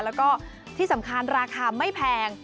แล้วก็ที่สำคัญราคาไม่แพง